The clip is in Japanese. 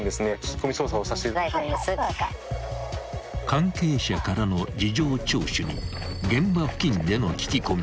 ［関係者からの事情聴取に現場付近での聞き込み］